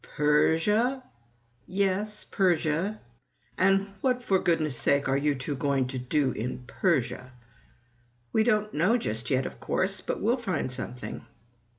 "Persia?" "Yes, Persia." "And what, for goodness' sake, are you two going to do in Persia?" "We don't know just yet, of course, but we'll find something."